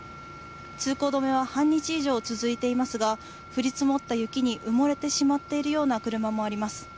通行止めは半日以上続いていますが、降り積もった雪に埋もれてしまっているような車もあります。